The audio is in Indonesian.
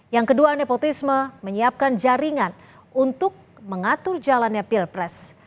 yang kedua nepotisme menyiapkan jaringan untuk mengatur jalannya pilpres